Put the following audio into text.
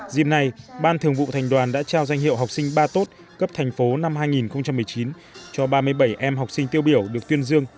dìm nay ban thường vụ thành đoàn đã trao danh hiệu học sinh ba tốt cấp thành phố năm hai nghìn một mươi chín cho ba mươi bảy em học sinh tiêu biểu được tuyên dương